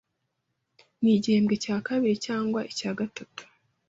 n'igihembwe cya kabiri cyangwa icya gatatu